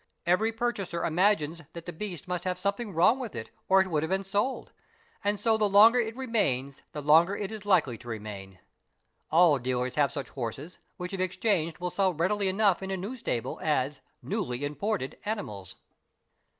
Every purchaser imagines that the beast must have something wrong with it or it would have been sold; and so the longer it remains the longer it is likely to remain. All dealers have such horses which if exchanged will sell readily enough in a new stable as "newly imported"' animals.